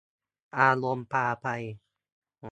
อารมณ์พาไป